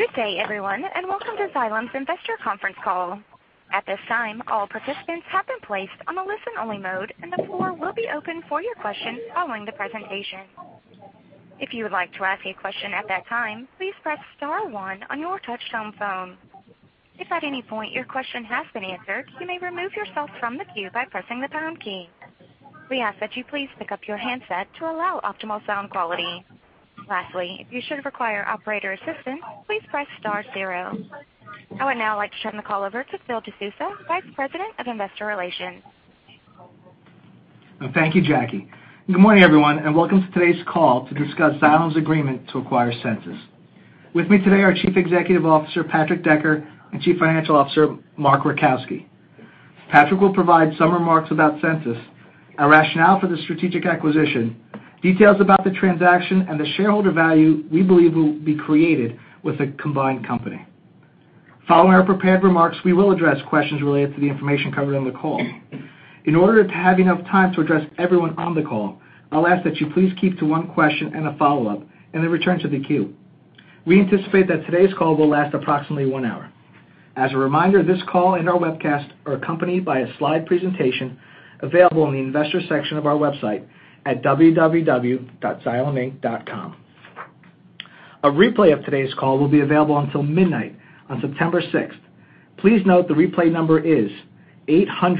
Good day, everyone. Welcome to Xylem's investor conference call. At this time, all participants have been placed on a listen-only mode, and the floor will be open for your questions following the presentation. If you would like to ask a question at that time, please press star one on your touchtone phone. If at any point your question has been answered, you may remove yourself from the queue by pressing the pound key. We ask that you please pick up your handset to allow optimal sound quality. Lastly, if you should require operator assistance, please press star zero. I would now like to turn the call over to Phil DeSousa, Vice President of Investor Relations. Thank you, Jackie. Good morning, everyone, and welcome to today's call to discuss Xylem's agreement to acquire Sensus. With me today are Chief Executive Officer, Patrick Decker, and Chief Financial Officer, Mark Rajkowski. Patrick will provide some remarks about Sensus, our rationale for the strategic acquisition, details about the transaction, and the shareholder value we believe will be created with the combined company. Following our prepared remarks, we will address questions related to the information covered on the call. In order to have enough time to address everyone on the call, I'll ask that you please keep to one question and a follow-up, then return to the queue. We anticipate that today's call will last approximately one hour. As a reminder, this call and our webcast are accompanied by a slide presentation available in the Investors section of our website at www.xyleminc.com. A replay of today's call will be available until midnight on September sixth. Please note the replay number is 800-585-8367,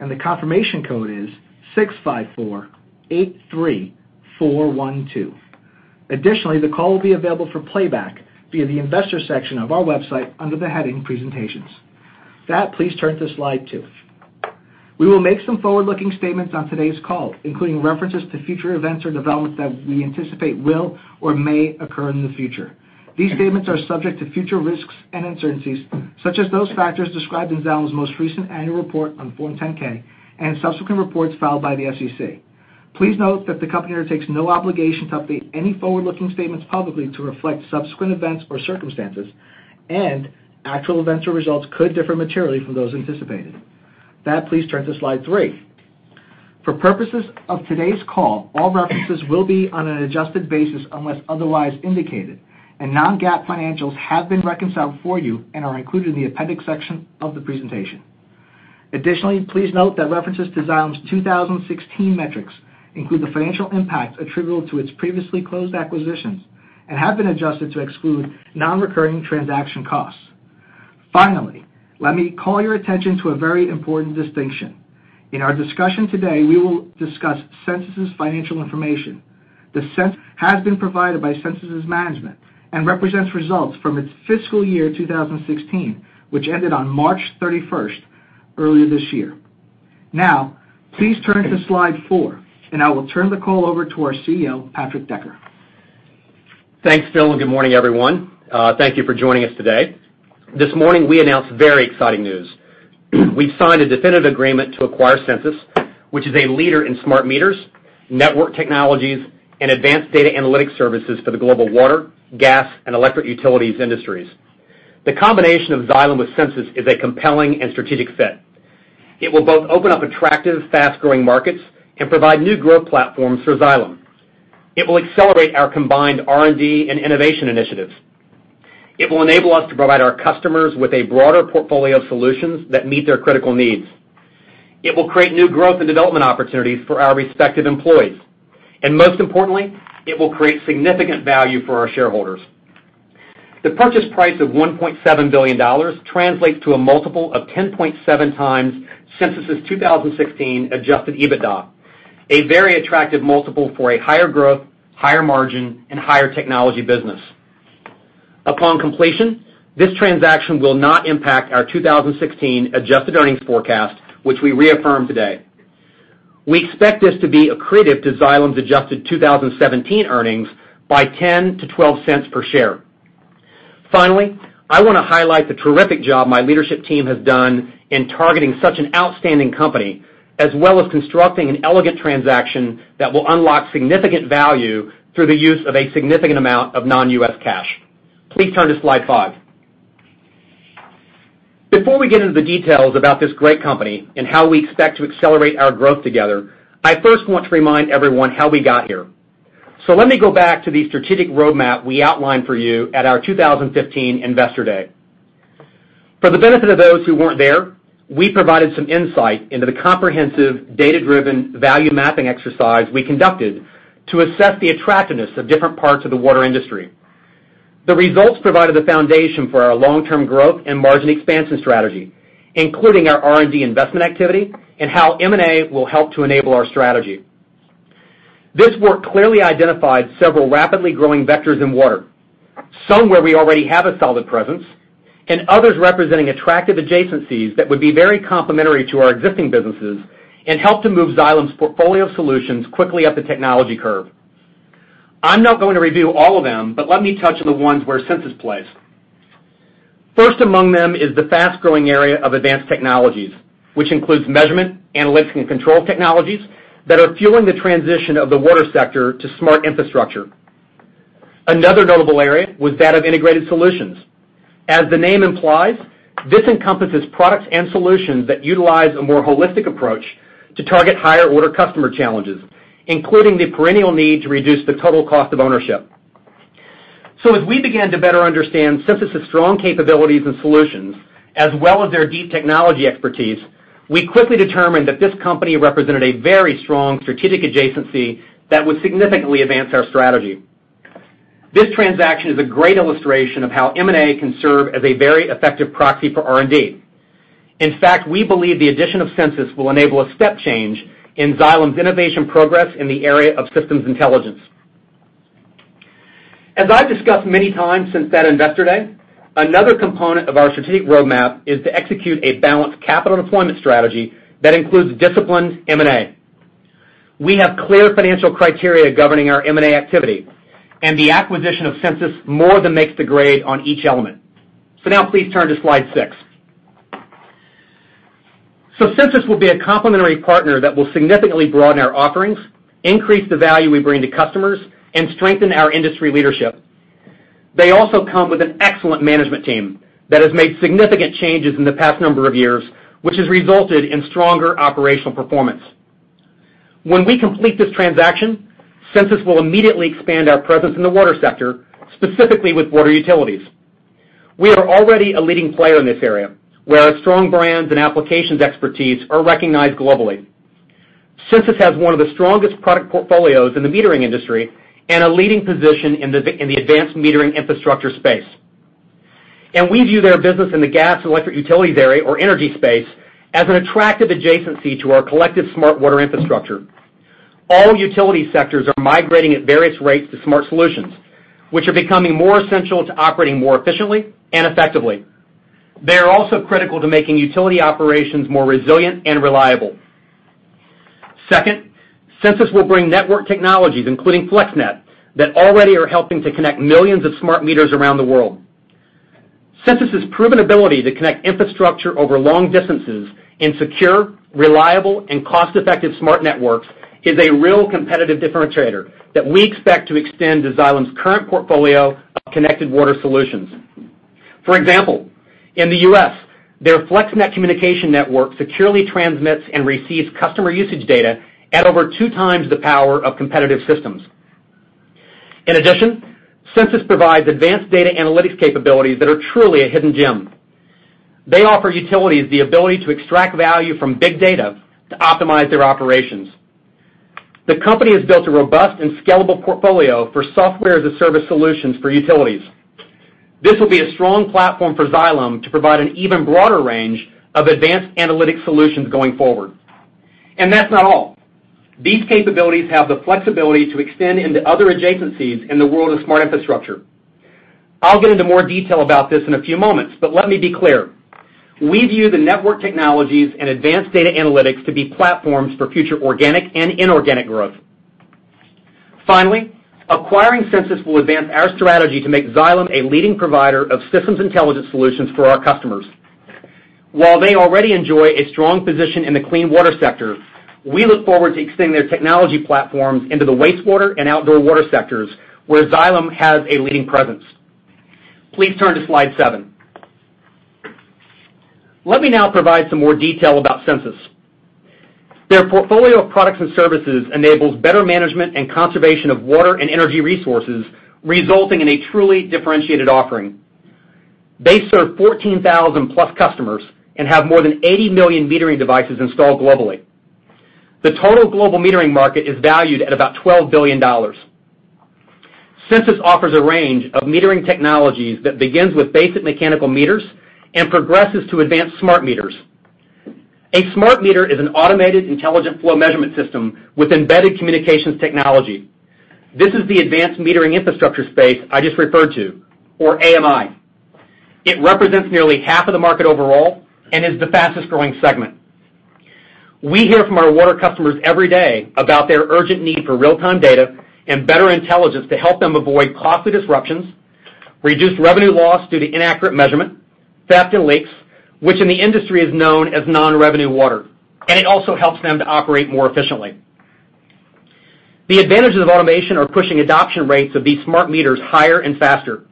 and the confirmation code is 65483412. The call will be available for playback via the Investors section of our website under the heading Presentations. With that, please turn to slide two. We will make some forward-looking statements on today's call, including references to future events or developments that we anticipate will or may occur in the future. These statements are subject to future risks and uncertainties, such as those factors described in Xylem's most recent annual report on Form 10-K and subsequent reports filed by the SEC. Please note that the company undertakes no obligation to update any forward-looking statements publicly to reflect subsequent events or circumstances, and actual events or results could differ materially from those anticipated. With that, please turn to slide three. For purposes of today's call, all references will be on an adjusted basis unless otherwise indicated, and non-GAAP financials have been reconciled for you and are included in the appendix section of the presentation. Please note that references to Xylem's 2016 metrics include the financial impact attributable to its previously closed acquisitions and have been adjusted to exclude non-recurring transaction costs. Finally, let me call your attention to a very important distinction. In our discussion today, we will discuss Sensus financial information that has been provided by Sensus' management and represents results from its fiscal year 2016, which ended on March 31st earlier this year. Please turn to slide four, and I will turn the call over to our CEO, Patrick Decker. Thanks, Phil, and good morning, everyone. Thank you for joining us today. This morning, we announced very exciting news. We've signed a definitive agreement to acquire Sensus, which is a leader in smart meters, network technologies, and advanced data analytics services for the global water, gas, and electric utilities industries. The combination of Xylem with Sensus is a compelling and strategic fit. It will both open up attractive, fast-growing markets and provide new growth platforms for Xylem. It will accelerate our combined R&D and innovation initiatives. It will enable us to provide our customers with a broader portfolio of solutions that meet their critical needs. It will create new growth and development opportunities for our respective employees, and most importantly, it will create significant value for our shareholders. The purchase price of $1.7 billion translates to a multiple of 10.7 times Sensus' 2016 adjusted EBITDA, a very attractive multiple for a higher growth, higher margin, and higher technology business. Upon completion, this transaction will not impact our 2016 adjusted earnings forecast, which we reaffirm today. We expect this to be accretive to Xylem's adjusted 2017 earnings by $0.10 to $0.12 per share. Finally, I want to highlight the terrific job my leadership team has done in targeting such an outstanding company, as well as constructing an elegant transaction that will unlock significant value through the use of a significant amount of non-U.S. cash. Please turn to slide five. Before we get into the details about this great company and how we expect to accelerate our growth together, I first want to remind everyone how we got here. Let me go back to the strategic roadmap we outlined for you at our 2015 Investor Day. For the benefit of those who weren't there, we provided some insight into the comprehensive, data-driven value mapping exercise we conducted to assess the attractiveness of different parts of the water industry. The results provided the foundation for our long-term growth and margin expansion strategy, including our R&D investment activity and how M&A will help to enable our strategy. This work clearly identified several rapidly growing vectors in water, some where we already have a solid presence, and others representing attractive adjacencies that would be very complementary to our existing businesses and help to move Xylem's portfolio of solutions quickly up the technology curve. I'm not going to review all of them, but let me touch on the ones where Sensus plays. First among them is the fast-growing area of advanced technologies, which includes measurement, analytics, and control technologies that are fueling the transition of the water sector to smart infrastructure. Another notable area was that of integrated solutions. As the name implies, this encompasses products and solutions that utilize a more holistic approach to target higher order customer challenges, including the perennial need to reduce the total cost of ownership. As we began to better understand Sensus' strong capabilities and solutions, as well as their deep technology expertise, we quickly determined that this company represented a very strong strategic adjacency that would significantly advance our strategy. This transaction is a great illustration of how M&A can serve as a very effective proxy for R&D. In fact, we believe the addition of Sensus will enable a step change in Xylem's innovation progress in the area of systems intelligence. As I've discussed many times since that Investor Day, another component of our strategic roadmap is to execute a balanced capital deployment strategy that includes disciplined M&A. We have clear financial criteria governing our M&A activity, and the acquisition of Sensus more than makes the grade on each element. Now please turn to slide six. Sensus will be a complementary partner that will significantly broaden our offerings, increase the value we bring to customers, and strengthen our industry leadership. They also come with an excellent management team that has made significant changes in the past number of years, which has resulted in stronger operational performance. When we complete this transaction, Sensus will immediately expand our presence in the water sector, specifically with water utilities. We are already a leading player in this area, where our strong brands and applications expertise are recognized globally. Sensus has one of the strongest product portfolios in the metering industry and a leading position in the advanced metering infrastructure space. We view their business in the gas and electric utilities area or energy space as an attractive adjacency to our collective smart water infrastructure. All utility sectors are migrating at various rates to smart solutions, which are becoming more essential to operating more efficiently and effectively. They are also critical to making utility operations more resilient and reliable. Second, Sensus will bring network technologies, including FlexNet, that already are helping to connect millions of smart meters around the world. Sensus' proven ability to connect infrastructure over long distances in secure, reliable, and cost-effective smart networks is a real competitive differentiator that we expect to extend to Xylem's current portfolio of connected water solutions. For example, in the U.S., their FlexNet communication network securely transmits and receives customer usage data at over two times the power of competitive systems. In addition, Sensus provides advanced data analytics capabilities that are truly a hidden gem. They offer utilities the ability to extract value from big data to optimize their operations. The company has built a robust and scalable portfolio for software-as-a-service solutions for utilities. This will be a strong platform for Xylem to provide an even broader range of advanced analytic solutions going forward. That's not all. These capabilities have the flexibility to extend into other adjacencies in the world of smart infrastructure. I'll get into more detail about this in a few moments, but let me be clear: We view the network technologies and advanced data analytics to be platforms for future organic and inorganic growth. Finally, acquiring Sensus will advance our strategy to make Xylem a leading provider of systems intelligence solutions for our customers. While they already enjoy a strong position in the clean water sector, we look forward to extending their technology platforms into the wastewater and outdoor water sectors, where Xylem has a leading presence. Please turn to slide seven. Let me now provide some more detail about Sensus. Their portfolio of products and services enables better management and conservation of water and energy resources, resulting in a truly differentiated offering. They serve 14,000-plus customers and have more than 80 million metering devices installed globally. The total global metering market is valued at about $12 billion. Sensus offers a range of metering technologies that begins with basic mechanical meters and progresses to advanced smart meters. A smart meter is an automated intelligent flow measurement system with embedded communications technology. This is the Advanced Metering Infrastructure space I just referred to, or AMI. It represents nearly half of the market overall and is the fastest-growing segment. We hear from our water customers every day about their urgent need for real-time data and better intelligence to help them avoid costly disruptions, reduce revenue loss due to inaccurate measurement, theft, and leaks, which in the industry is known as non-revenue water, and it also helps them to operate more efficiently. The advantages of automation are pushing adoption rates of these smart meters higher and faster.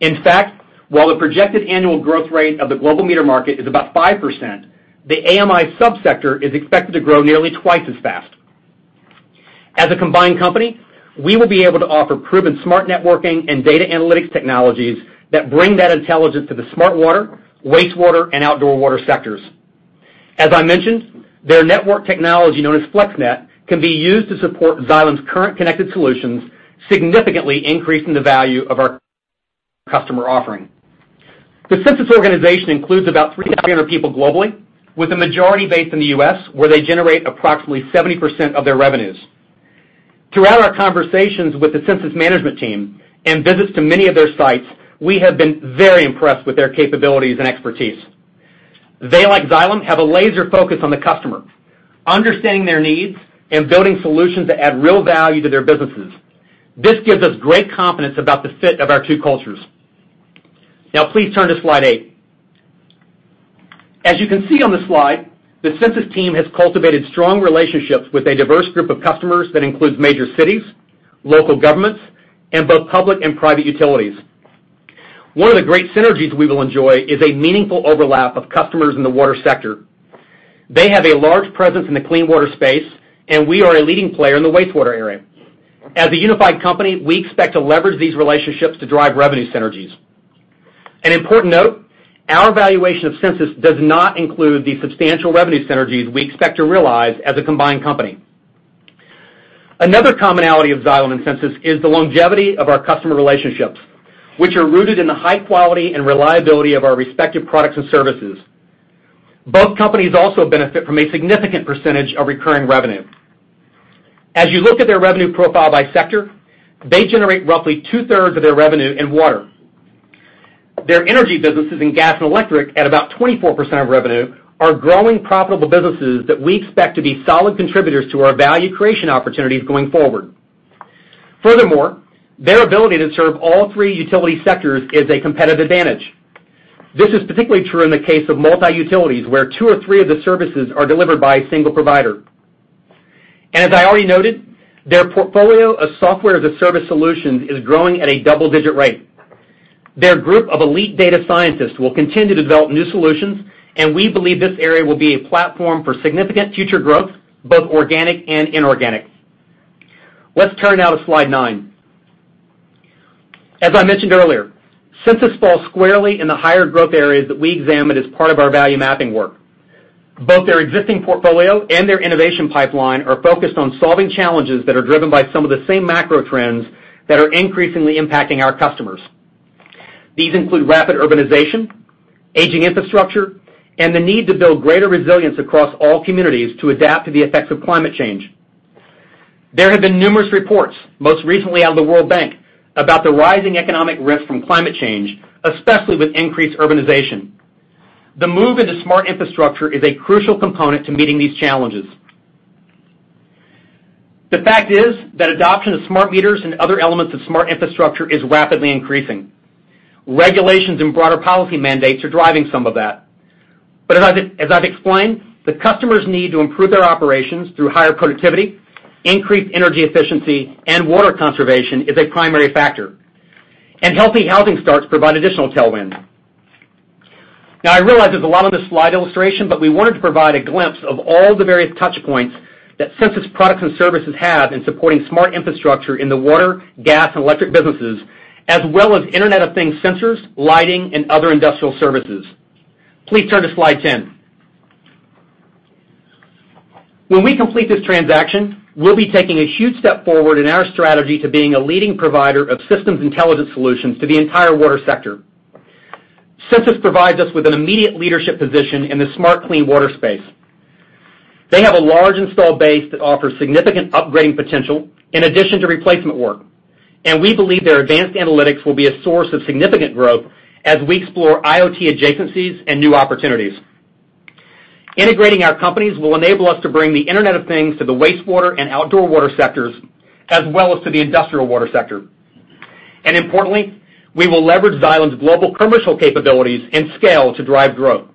In fact, while the projected annual growth rate of the global meter market is about 5%, the AMI sub-sector is expected to grow nearly twice as fast. As a combined company, we will be able to offer proven smart networking and data analytics technologies that bring that intelligence to the smart water, wastewater, and outdoor water sectors. As I mentioned, their network technology, known as FlexNet, can be used to support Xylem's current connected solutions, significantly increasing the value of our customer offering. The Sensus organization includes about 300 people globally, with a majority based in the U.S., where they generate approximately 70% of their revenues. Throughout our conversations with the Sensus management team and visits to many of their sites, we have been very impressed with their capabilities and expertise. They, like Xylem, have a laser focus on the customer, understanding their needs and building solutions that add real value to their businesses. This gives us great confidence about the fit of our two cultures. Now, please turn to slide eight. As you can see on the slide, the Sensus team has cultivated strong relationships with a diverse group of customers that includes major cities, local governments, and both public and private utilities. One of the great synergies we will enjoy is a meaningful overlap of customers in the water sector. They have a large presence in the clean water space, and we are a leading player in the wastewater area. As a unified company, we expect to leverage these relationships to drive revenue synergies. An important note, our valuation of Sensus does not include the substantial revenue synergies we expect to realize as a combined company. Another commonality of Xylem and Sensus is the longevity of our customer relationships, which are rooted in the high quality and reliability of our respective products and services. Both companies also benefit from a significant percentage of recurring revenue. As you look at their revenue profile by sector, they generate roughly two-thirds of their revenue in water. Their energy businesses in gas and electric, at about 24% of revenue, are growing profitable businesses that we expect to be solid contributors to our value creation opportunities going forward. Furthermore, their ability to serve all three utility sectors is a competitive advantage. This is particularly true in the case of multi-utilities, where two or three of the services are delivered by a single provider. As I already noted, their portfolio of software-as-a-service solution is growing at a double-digit rate. Their group of elite data scientists will continue to develop new solutions, and we believe this area will be a platform for significant future growth, both organic and inorganic. Let's turn now to slide nine. As I mentioned earlier, Sensus falls squarely in the higher growth areas that we examined as part of our value mapping work. Both their existing portfolio and their innovation pipeline are focused on solving challenges that are driven by some of the same macro trends that are increasingly impacting our customers. These include rapid urbanization, aging infrastructure, and the need to build greater resilience across all communities to adapt to the effects of climate change. There have been numerous reports, most recently out of the World Bank, about the rising economic risk from climate change, especially with increased urbanization. The move into smart infrastructure is a crucial component to meeting these challenges. The fact is that adoption of smart meters and other elements of smart infrastructure is rapidly increasing. Regulations and broader policy mandates are driving some of that. As I've explained, the customers' need to improve their operations through higher productivity, increased energy efficiency, and water conservation is a primary factor, and healthy housing starts provide additional tailwind. I realize there's a lot on this slide illustration, we wanted to provide a glimpse of all the various touch points that Sensus products and services have in supporting smart infrastructure in the water, gas, and electric businesses, as well as Internet of Things sensors, lighting, and other industrial services. Please turn to slide 10. When we complete this transaction, we'll be taking a huge step forward in our strategy to being a leading provider of systems intelligence solutions to the entire water sector. Sensus provides us with an immediate leadership position in the smart clean water space. They have a large installed base that offers significant upgrading potential, in addition to replacement work, and we believe their advanced analytics will be a source of significant growth as we explore IoT adjacencies and new opportunities. Integrating our companies will enable us to bring the Internet of Things to the wastewater and outdoor water sectors, as well as to the industrial water sector. Importantly, we will leverage Xylem's global commercial capabilities and scale to drive growth.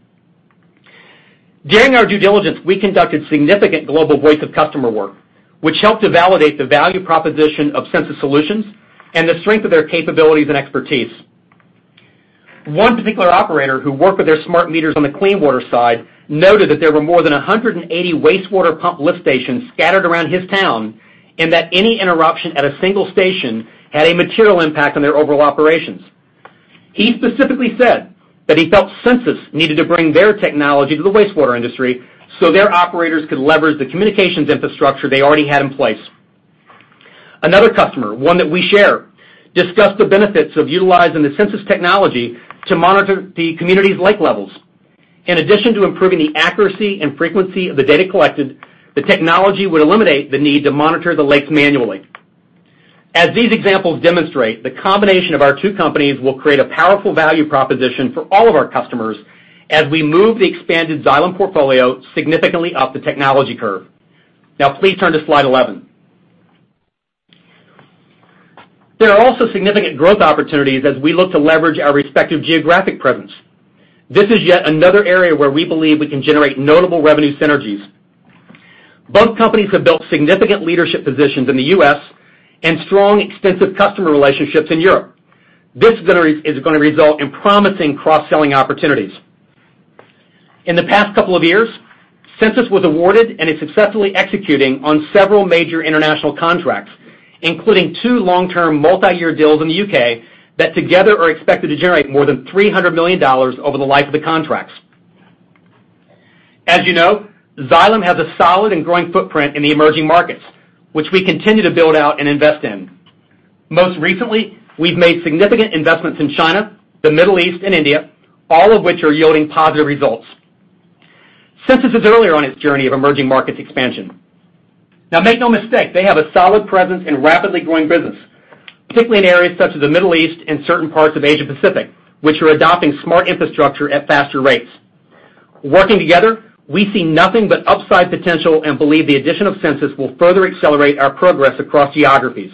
During our due diligence, we conducted significant global voice of customer work, which helped to validate the value proposition of Sensus solutions and the strength of their capabilities and expertise. One particular operator who worked with their smart meters on the clean water side noted that there were more than 180 wastewater pump lift stations scattered around his town, and that any interruption at a single station had a material impact on their overall operations. He specifically said that he felt Sensus needed to bring their technology to the wastewater industry so their operators could leverage the communications infrastructure they already had in place. Another customer, one that we share, discussed the benefits of utilizing the Sensus technology to monitor the community's lake levels. In addition to improving the accuracy and frequency of the data collected, the technology would eliminate the need to monitor the lakes manually. As these examples demonstrate, the combination of our two companies will create a powerful value proposition for all of our customers as we move the expanded Xylem portfolio significantly up the technology curve. Please turn to slide 11. There are also significant growth opportunities as we look to leverage our respective geographic presence. This is yet another area where we believe we can generate notable revenue synergies. Both companies have built significant leadership positions in the U.S. and strong, extensive customer relationships in Europe. This is going to result in promising cross-selling opportunities. In the past couple of years, Sensus was awarded and is successfully executing on several major international contracts, including two long-term multi-year deals in the U.K. that together are expected to generate more than $300 million over the life of the contracts. As you know, Xylem has a solid and growing footprint in the emerging markets, which we continue to build out and invest in. Most recently, we've made significant investments in China, the Middle East, and India, all of which are yielding positive results. Sensus is earlier on its journey of emerging markets expansion. Make no mistake, they have a solid presence and rapidly growing business, particularly in areas such as the Middle East and certain parts of Asia Pacific, which are adopting smart infrastructure at faster rates. Working together, we see nothing but upside potential and believe the addition of Sensus will further accelerate our progress across geographies.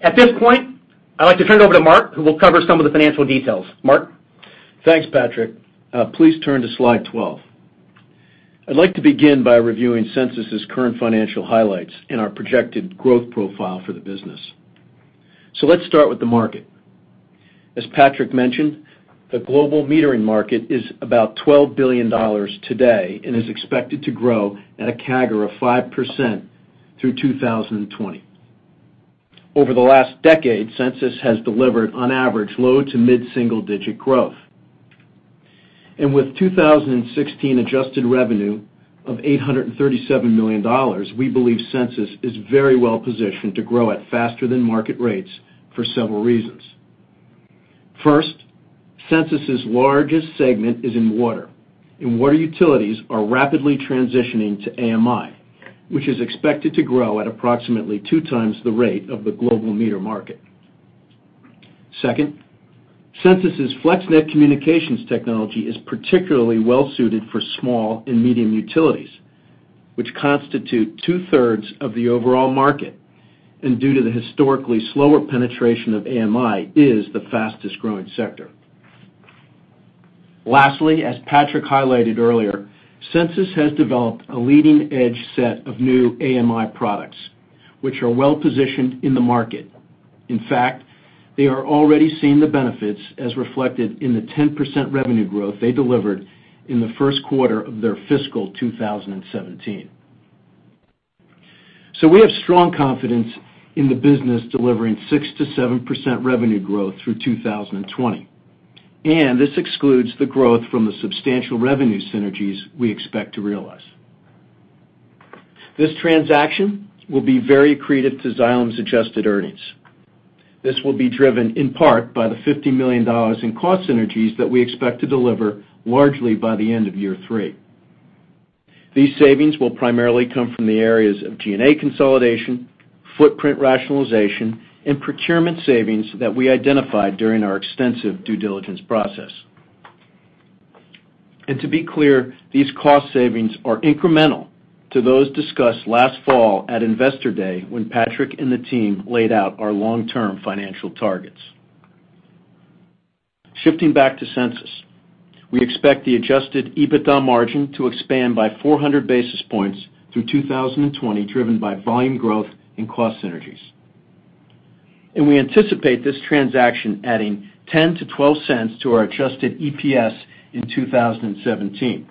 At this point, I'd like to turn it over to Mark, who will cover some of the financial details. Mark? Thanks, Patrick. Please turn to slide 12. I'd like to begin by reviewing Sensus' current financial highlights and our projected growth profile for the business. Let's start with the market. As Patrick mentioned, the global metering market is about $12 billion today and is expected to grow at a CAGR of 5% through 2020. Over the last decade, Sensus has delivered on average, low to mid-single digit growth. With 2016 adjusted revenue of $837 million, we believe Sensus is very well-positioned to grow at faster than market rates for several reasons. First, Sensus' largest segment is in water, and water utilities are rapidly transitioning to AMI, which is expected to grow at approximately two times the rate of the global meter market. Second, Sensus' FlexNet communications technology is particularly well-suited for small and medium utilities, which constitute two-thirds of the overall market, and due to the historically slower penetration of AMI, is the fastest growing sector. Lastly, as Patrick highlighted earlier, Sensus has developed a leading-edge set of new AMI products, which are well-positioned in the market. In fact, they are already seeing the benefits as reflected in the 10% revenue growth they delivered in the first quarter of their fiscal 2017. We have strong confidence in the business delivering 6%-7% revenue growth through 2020. This excludes the growth from the substantial revenue synergies we expect to realize. This transaction will be very accretive to Xylem's adjusted earnings. This will be driven in part by the $50 million in cost synergies that we expect to deliver largely by the end of year three. These savings will primarily come from the areas of G&A consolidation, footprint rationalization, and procurement savings that we identified during our extensive due diligence process. To be clear, these cost savings are incremental to those discussed last fall at Investor Day, when Patrick and the team laid out our long-term financial targets. Shifting back to Sensus. We expect the adjusted EBITDA margin to expand by 400 basis points through 2020, driven by volume growth and cost synergies. We anticipate this transaction adding $0.10 to $0.12 to our adjusted EPS in 2017.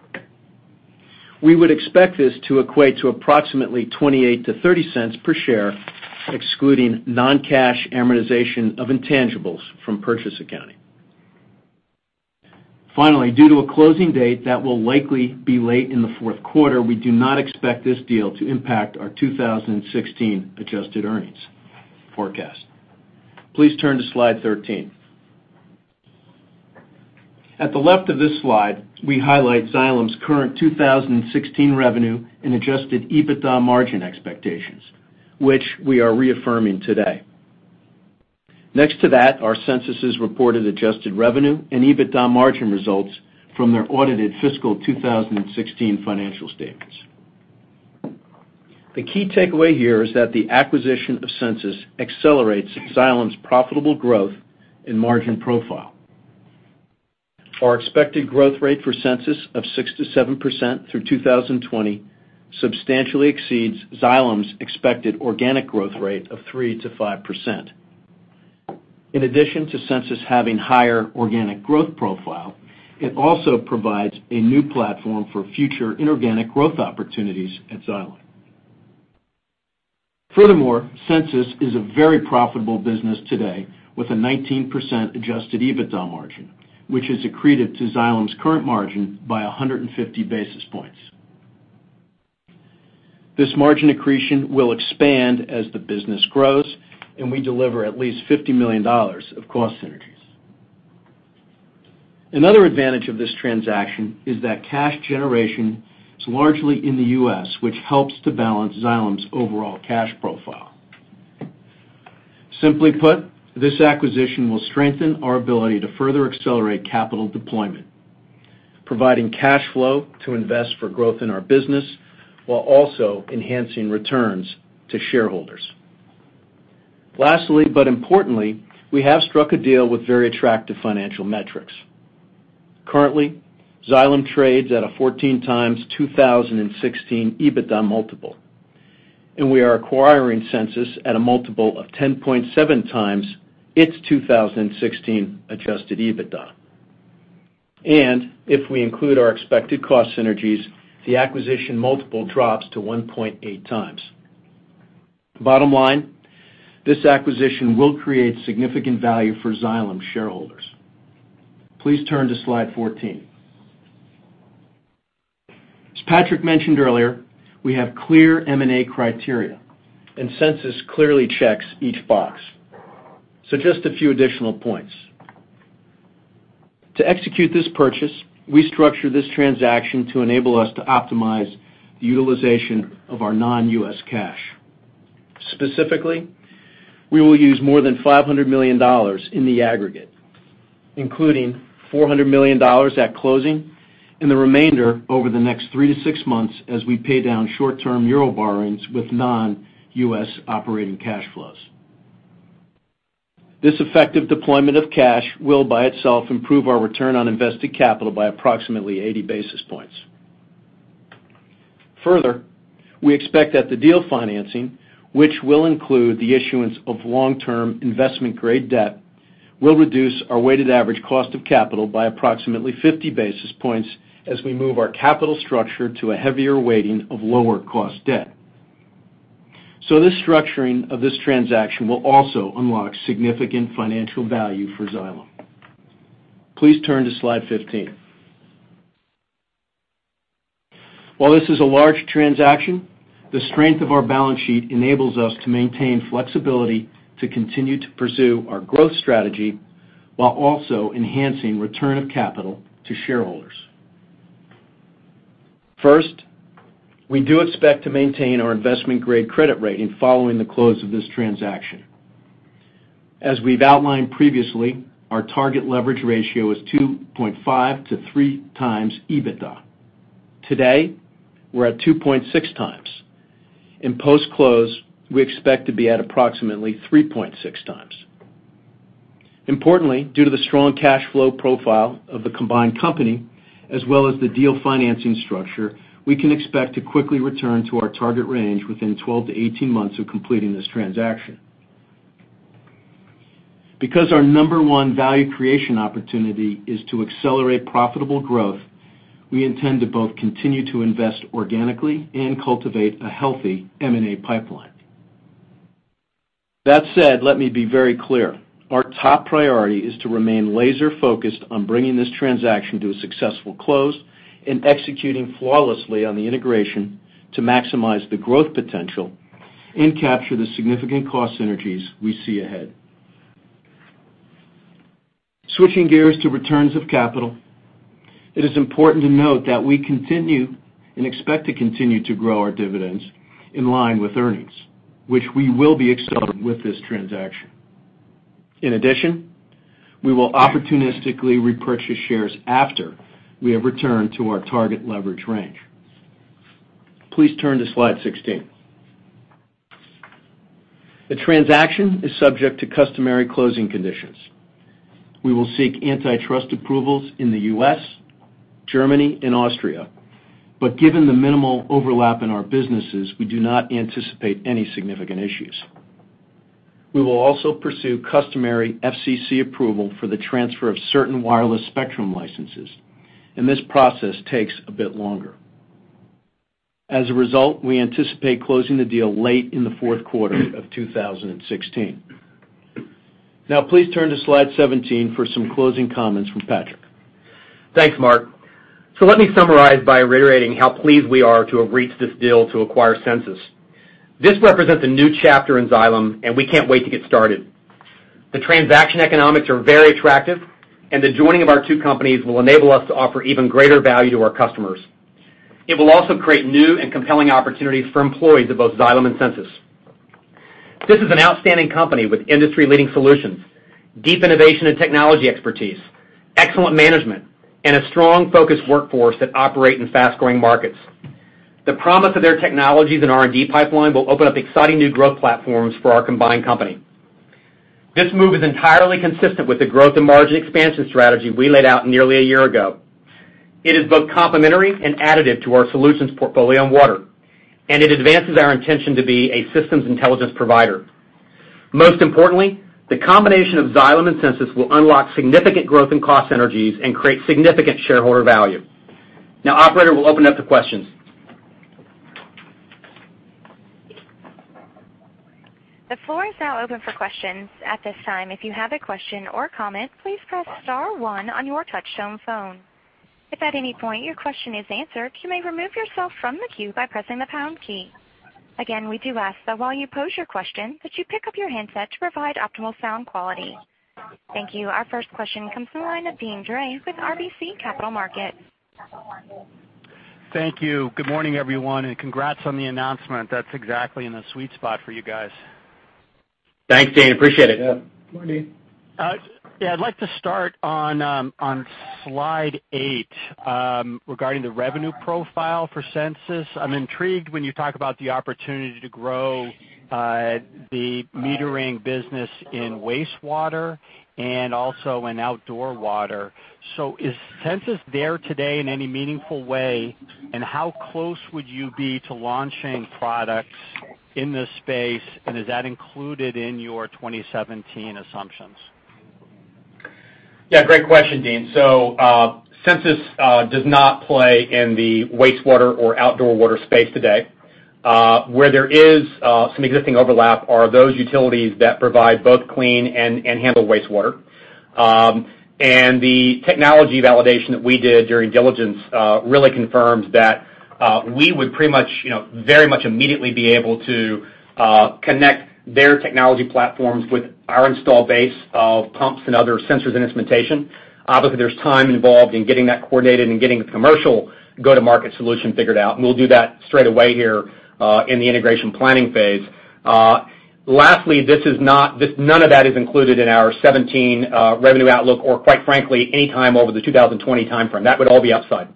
We would expect this to equate to approximately $0.28 to $0.30 per share, excluding non-cash amortization of intangibles from purchase accounting. Finally, due to a closing date that will likely be late in the fourth quarter, we do not expect this deal to impact our 2016 adjusted earnings forecast. Please turn to slide 13. At the left of this slide, we highlight Xylem's current 2016 revenue and adjusted EBITDA margin expectations, which we are reaffirming today. Next to that are Sensus' reported adjusted revenue and EBITDA margin results from their audited fiscal 2016 financial statements. The key takeaway here is that the acquisition of Sensus accelerates Xylem's profitable growth and margin profile. Our expected growth rate for Sensus of 6%-7% through 2020 substantially exceeds Xylem's expected organic growth rate of 3%-5%. In addition to Sensus having higher organic growth profile, it also provides a new platform for future inorganic growth opportunities at Xylem. Furthermore, Sensus is a very profitable business today with a 19% adjusted EBITDA margin, which has accreted to Xylem's current margin by 150 basis points. This margin accretion will expand as the business grows, we deliver at least $50 million of cost synergies. Another advantage of this transaction is that cash generation is largely in the U.S., which helps to balance Xylem's overall cash profile. Simply put, this acquisition will strengthen our ability to further accelerate capital deployment, providing cash flow to invest for growth in our business while also enhancing returns to shareholders. Lastly, but importantly, we have struck a deal with very attractive financial metrics. Currently, Xylem trades at a 14 times 2016 EBITDA multiple, we are acquiring Sensus at a multiple of 10.7 times its 2016 adjusted EBITDA. If we include our expected cost synergies, the acquisition multiple drops to 1.8 times. The bottom line, this acquisition will create significant value for Xylem shareholders. Please turn to slide 14. As Patrick mentioned earlier, we have clear M&A criteria, Sensus clearly checks each box. Just a few additional points. To execute this purchase, we structured this transaction to enable us to optimize the utilization of our non-U.S. cash. Specifically, we will use more than $500 million in the aggregate. Including $400 million at closing and the remainder over the next three to six months as we pay down short-term euro borrowings with non-U.S. operating cash flows. This effective deployment of cash will by itself improve our return on invested capital by approximately 80 basis points. Further, we expect that the deal financing, which will include the issuance of long-term investment-grade debt, will reduce our weighted average cost of capital by approximately 50 basis points as we move our capital structure to a heavier weighting of lower cost debt. This structuring of this transaction will also unlock significant financial value for Xylem. Please turn to slide 15. While this is a large transaction, the strength of our balance sheet enables us to maintain flexibility to continue to pursue our growth strategy while also enhancing return of capital to shareholders. First, we do expect to maintain our investment-grade credit rating following the close of this transaction. As we've outlined previously, our target leverage ratio is 2.5x-3x EBITDA. Today, we're at 2.6x. In post-close, we expect to be at approximately 3.6x. Importantly, due to the strong cash flow profile of the combined company as well as the deal financing structure, we can expect to quickly return to our target range within 12-18 months of completing this transaction. Because our number one value creation opportunity is to accelerate profitable growth, we intend to both continue to invest organically and cultivate a healthy M&A pipeline. That said, let me be very clear. Our top priority is to remain laser-focused on bringing this transaction to a successful close and executing flawlessly on the integration to maximize the growth potential and capture the significant cost synergies we see ahead. Switching gears to returns of capital, it is important to note that we continue and expect to continue to grow our dividends in line with earnings, which we will be accelerating with this transaction. In addition, we will opportunistically repurchase shares after we have returned to our target leverage range. Please turn to slide 16. The transaction is subject to customary closing conditions. We will seek antitrust approvals in the U.S., Germany, and Austria, but given the minimal overlap in our businesses, we do not anticipate any significant issues. We will also pursue customary FCC approval for the transfer of certain wireless spectrum licenses, and this process takes a bit longer. As a result, we anticipate closing the deal late in the fourth quarter of 2016. Now, please turn to slide 17 for some closing comments from Patrick. Thanks, Mark. Let me summarize by reiterating how pleased we are to have reached this deal to acquire Sensus. This represents a new chapter in Xylem, and we can't wait to get started. The transaction economics are very attractive, and the joining of our two companies will enable us to offer even greater value to our customers. It will also create new and compelling opportunities for employees of both Xylem and Sensus. This is an outstanding company with industry-leading solutions, deep innovation and technology expertise, excellent management, and a strong, focused workforce that operate in fast-growing markets. The promise of their technologies and R&D pipeline will open up exciting new growth platforms for our combined company. This move is entirely consistent with the growth and margin expansion strategy we laid out nearly a year ago. It is both complementary and additive to our solutions portfolio in water, it advances our intention to be a systems intelligence provider. Most importantly, the combination of Xylem and Sensus will unlock significant growth and cost synergies and create significant shareholder value. Operator, we'll open up to questions. The floor is now open for questions. At this time, if you have a question or comment, please press star one on your touchtone phone. If at any point your question is answered, you may remove yourself from the queue by pressing the pound key. Again, we do ask that while you pose your question, that you pick up your handset to provide optimal sound quality. Thank you. Our first question comes from the line of Deane Dray with RBC Capital Markets. Thank you. Good morning, everyone, congrats on the announcement. That's exactly in the sweet spot for you guys. Thanks, Deane. Appreciate it. Yeah. Good morning, Deane. Yeah. I'd like to start on slide eight regarding the revenue profile for Sensus. I'm intrigued when you talk about the opportunity to grow the metering business in wastewater and also in outdoor water. Is Sensus there today in any meaningful way, and how close would you be to launching products in this space, and is that included in your 2017 assumptions? Yeah, great question, Deane. Sensus does not play in the wastewater or outdoor water space today. Where there is some existing overlap are those utilities that provide both clean and handle wastewater. The technology validation that we did during diligence really confirms that we would very much immediately be able to connect their technology platforms with our install base of pumps and other sensors and instrumentation. Obviously, there's time involved in getting that coordinated and getting the commercial go-to-market solution figured out, and we'll do that straightaway here in the integration planning phase. Lastly, none of that is included in our 2017 revenue outlook or quite frankly, any time over the 2020 timeframe. That would all be upside.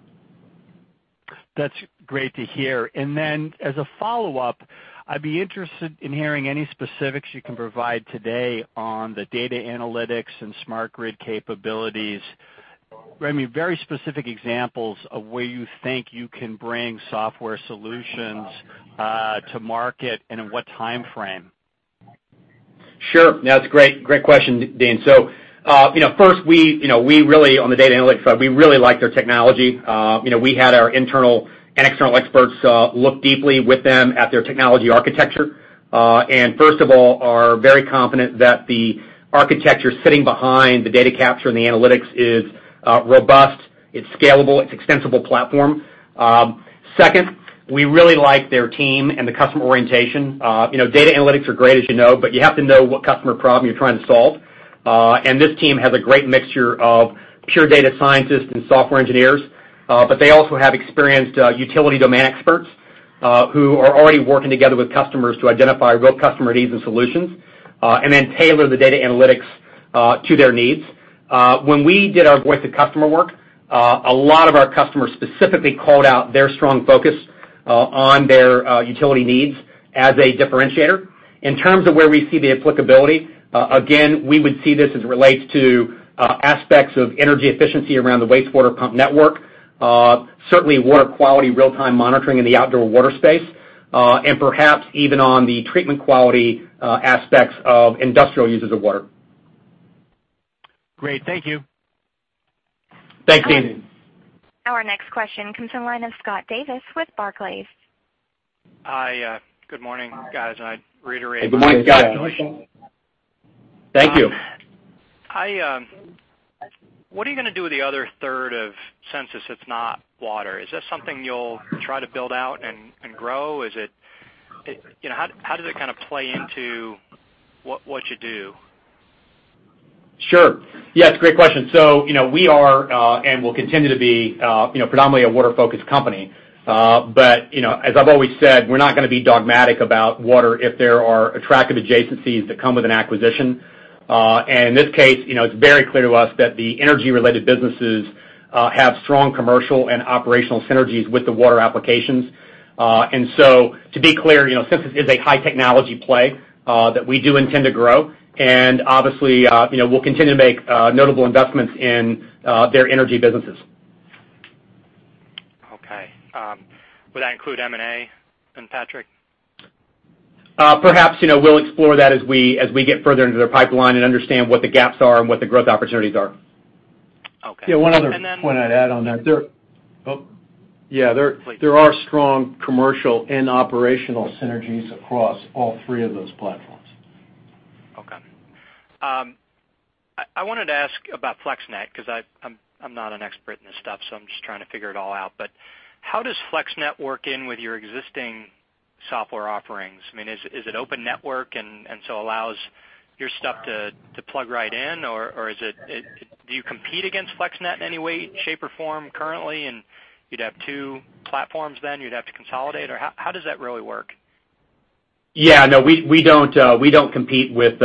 That's great to hear. As a follow-up, I'd be interested in hearing any specifics you can provide today on the data analytics and smart grid capabilities. Very specific examples of where you think you can bring software solutions to market, and in what timeframe. Sure. No, that's a great question, Deane. First, on the data analytics side, we really like their technology. We had our internal and external experts look deeply with them at their technology architecture. First of all, are very confident that the architecture sitting behind the data capture and the analytics is robust, it's scalable, it's an extensible platform. Second, we really like their team and the customer orientation. Data analytics are great as you know, but you have to know what customer problem you're trying to solve. This team has a great mixture of pure data scientists and software engineers, but they also have experienced utility domain experts who are already working together with customers to identify real customer needs and solutions, and then tailor the data analytics to their needs. When we did our voice-to-customer work, a lot of our customers specifically called out their strong focus on their utility needs as a differentiator. In terms of where we see the applicability, again, we would see this as it relates to aspects of energy efficiency around the wastewater pump network. Certainly water quality real-time monitoring in the outdoor water space, and perhaps even on the treatment quality aspects of industrial uses of water. Great. Thank you. Thanks, Deane. Our next question comes from the line of Scott Davis with Barclays. Hi. Good morning, guys. Good morning, Scott. Thank you. What are you going to do with the other third of Sensus that's not water? Is that something you'll try to build out and grow? How does it kind of play into what you do? Sure. Yeah, it's a great question. We are, and will continue to be predominantly a water-focused company. As I've always said, we're not going to be dogmatic about water if there are attractive adjacencies that come with an acquisition. In this case, it's very clear to us that the energy-related businesses have strong commercial and operational synergies with the water applications. To be clear, Sensus is a high technology play that we do intend to grow. Obviously, we'll continue to make notable investments in their energy businesses. Okay. Would that include M&A then, Patrick? Perhaps. We'll explore that as we get further into their pipeline and understand what the gaps are and what the growth opportunities are. Okay. Yeah, one other point I'd add on that. Oh. Yeah. Please There are strong commercial and operational synergies across all three of those platforms. Okay. I wanted to ask about FlexNet because I'm not an expert in this stuff, so I'm just trying to figure it all out. How does FlexNet work in with your existing software offerings? Is it open network and so allows your stuff to plug right in? Do you compete against FlexNet in any way, shape, or form currently, and you'd have two platforms then you'd have to consolidate? How does that really work? Yeah, no, we don't compete with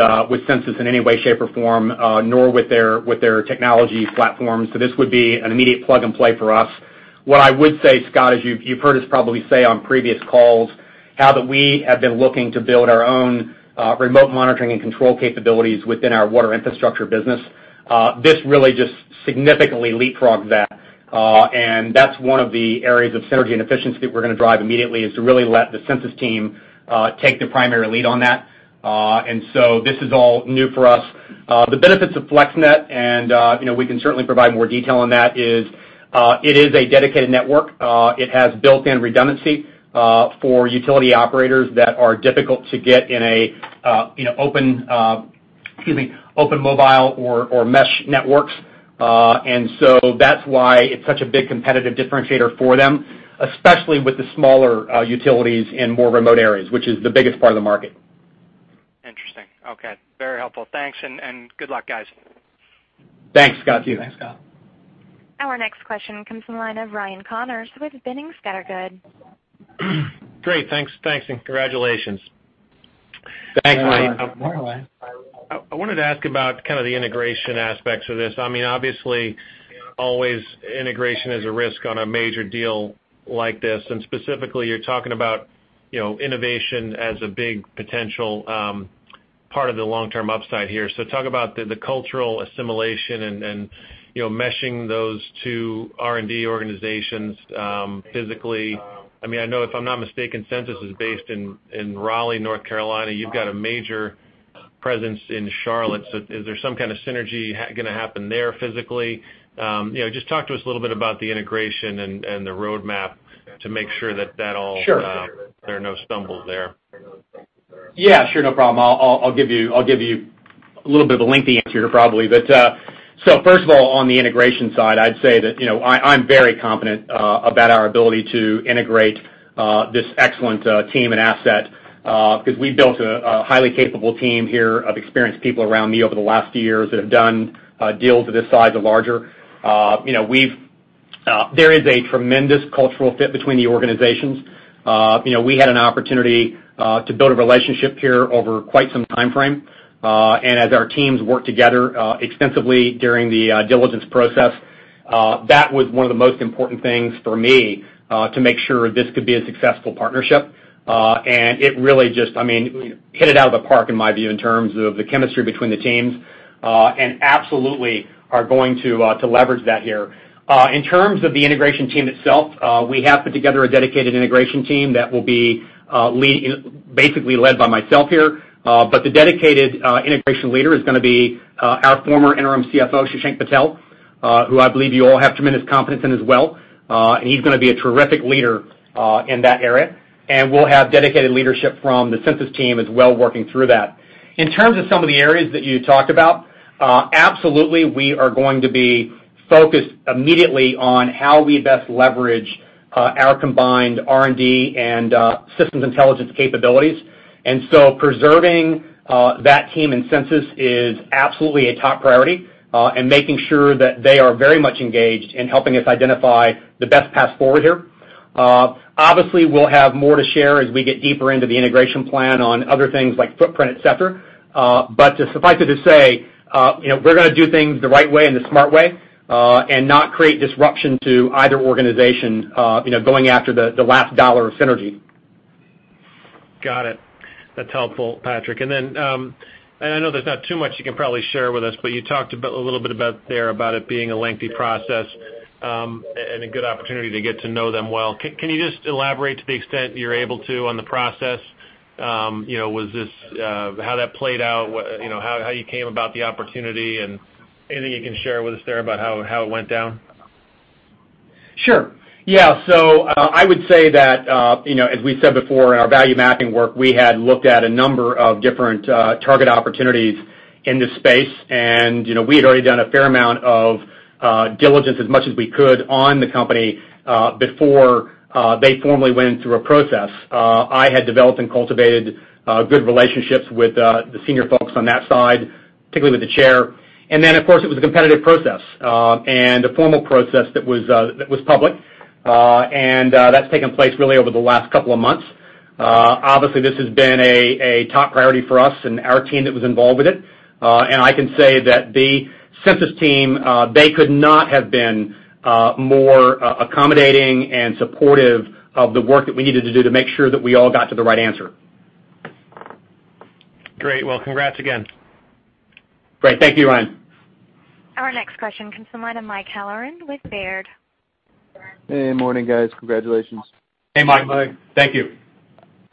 Sensus in any way, shape, or form, nor with their technology platform. This would be an immediate plug-and-play for us. What I would say, Scott, as you've heard us probably say on previous calls, how that we have been looking to build our own remote monitoring and control capabilities within our water infrastructure business. This really just significantly leapfrogs that. That's one of the areas of synergy and efficiency that we're going to drive immediately, is to really let the Sensus team take the primary lead on that. This is all new for us. The benefits of FlexNet, and we can certainly provide more detail on that, is it is a dedicated network. It has built-in redundancy for utility operators that are difficult to get in open mobile or mesh networks. That's why it's such a big competitive differentiator for them, especially with the smaller utilities in more remote areas, which is the biggest part of the market. Interesting. Okay. Very helpful. Thanks, and good luck, guys. Thanks, Scott. To you. Thanks, Scott. Our next question comes from the line of Ryan Connors with Boenning & Scattergood. Great. Thanks, and congratulations. Thanks, Ryan. You're welcome. I wanted to ask about kind of the integration aspects of this. Always integration is a risk on a major deal like this, specifically, you're talking about innovation as a big potential part of the long-term upside here. Talk about the cultural assimilation and meshing those two R&D organizations physically. I know if I'm not mistaken, Sensus is based in Raleigh, North Carolina. You've got a major presence in Charlotte. Is there some kind of synergy going to happen there physically? Just talk to us a little bit about the integration and the roadmap to make sure that- Sure there are no stumbles there. Yeah, sure. No problem. I'll give you a little bit of a lengthy answer here probably. First of all, on the integration side, I'd say that I'm very confident about our ability to integrate this excellent team and asset, because we've built a highly capable team here of experienced people around me over the last years that have done deals of this size or larger. There is a tremendous cultural fit between the organizations. We had an opportunity to build a relationship here over quite some timeframe. As our teams worked together extensively during the diligence process, that was one of the most important things for me to make sure this could be a successful partnership. It really just hit it out of the park in my view, in terms of the chemistry between the teams, and absolutely are going to leverage that here. In terms of the integration team itself, we have put together a dedicated integration team that will be basically led by myself here. The dedicated integration leader is going to be our former interim CFO, Shashank Patel, who I believe you all have tremendous confidence in as well. He's going to be a terrific leader in that area. We'll have dedicated leadership from the Sensus team as well, working through that. In terms of some of the areas that you talked about, absolutely, we are going to be focused immediately on how we best leverage our combined R&D and systems intelligence capabilities. Preserving that team in Sensus is absolutely a top priority, and making sure that they are very much engaged in helping us identify the best path forward here. Obviously, we'll have more to share as we get deeper into the integration plan on other things like footprint, et cetera. Suffice it to say, we're going to do things the right way and the smart way, and not create disruption to either organization, going after the last dollar of synergy. Got it. That's helpful, Patrick. I know there's not too much you can probably share with us, but you talked a little bit there about it being a lengthy process, and a good opportunity to get to know them well. Can you just elaborate to the extent that you're able to on the process? How that played out, how you came about the opportunity, and anything you can share with us there about how it went down? Sure. Yeah. I would say that, as we said before in our value mapping work, we had looked at a number of different target opportunities in this space. We had already done a fair amount of diligence, as much as we could, on the company before they formally went through a process. I had developed and cultivated good relationships with the senior folks on that side, particularly with the chair. Then, of course, it was a competitive process, and a formal process that was public. That's taken place really over the last couple of months. Obviously, this has been a top priority for us and our team that was involved with it. I can say that the Sensus team, they could not have been more accommodating and supportive of the work that we needed to do to make sure that we all got to the right answer. Great. Well, congrats again. Great. Thank you, Ryan. Our next question comes from the line of Mike Halloran with Baird. Hey, morning guys. Congratulations. Hey, Mike. Thank you.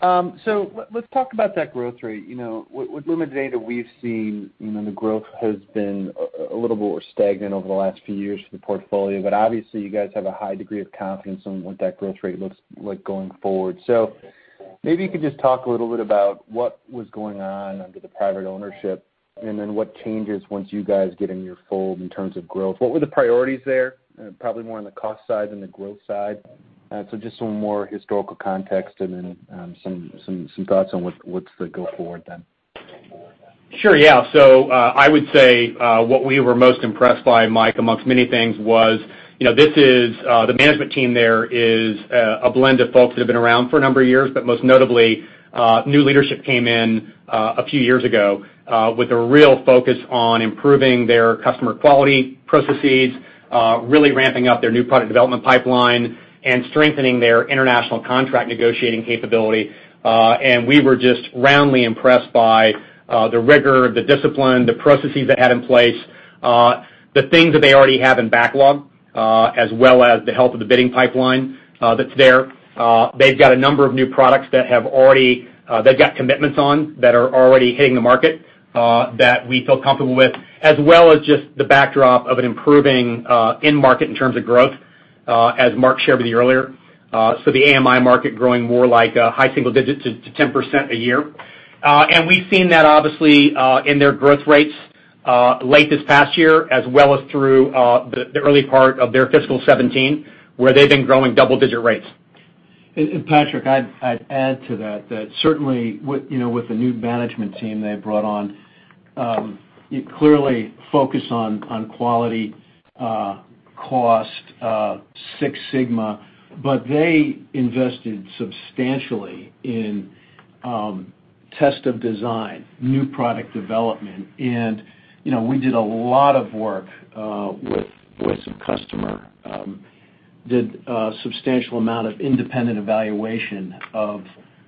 Let's talk about that growth rate. With limited data we've seen, the growth has been a little more stagnant over the last few years for the portfolio. Obviously, you guys have a high degree of confidence on what that growth rate looks like going forward. Maybe you could just talk a little bit about what was going on under the private ownership, and then what changes once you guys get in your fold in terms of growth. What were the priorities there? Probably more on the cost side than the growth side. Just some more historical context and then some thoughts on what's the go forward then. Sure, yeah. I would say what we were most impressed by, Mike, amongst many things, was the management team there is a blend of folks that have been around for a number of years, but most notably, new leadership came in a few years ago, with a real focus on improving their customer quality processes, really ramping up their new product development pipeline, and strengthening their international contract negotiating capability. We were just roundly impressed by the rigor, the discipline, the processes they had in place, the things that they already have in backlog, as well as the health of the bidding pipeline that's there. They've got a number of new products that they've got commitments on that are already hitting the market, that we feel comfortable with, as well as just the backdrop of it improving in market in terms of growth, as Mark shared with you earlier. The AMI market growing more like high single digits to 10% a year. We've seen that obviously, in their growth rates late this past year, as well as through the early part of their fiscal 2017, where they've been growing double digit rates. Patrick, I'd add to that, certainly with the new management team they brought on, you clearly focus on quality, cost, Six Sigma, but they invested substantially in test of design, new product development, and we did a lot of work with the customer. Did a substantial amount of independent evaluation of